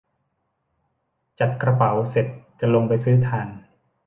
จัดกระเป๋าเสร็จจะลงไปซื้อถ่าน